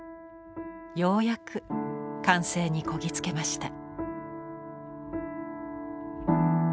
ようやく完成にこぎ着けました。